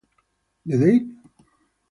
The date?